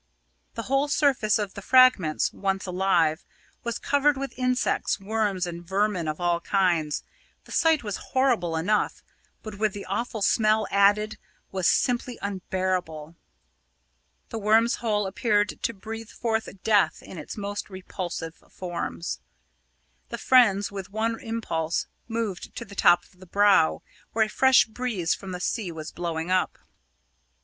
The whole surface of the fragments, once alive, was covered with insects, worms, and vermin of all kinds. The sight was horrible enough, but, with the awful smell added, was simply unbearable. The Worm's hole appeared to breathe forth death in its most repulsive forms. The friends, with one impulse, moved to the top of the Brow, where a fresh breeze from the sea was blowing up.